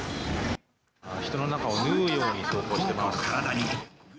人の中を縫うように走行してます。